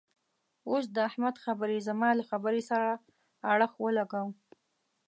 اوس د احمد خبرې زما له خبرې سره اړخ و لګاوو.